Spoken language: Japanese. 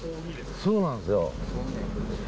そうなんですよ。